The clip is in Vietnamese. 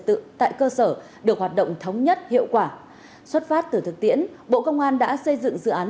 tự tại cơ sở được hoạt động thống nhất hiệu quả xuất phát từ thực tiễn bộ công an đã xây dựng dự án